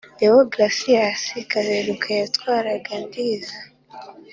Deogratias Kaberuka yatwaraga Ndiza.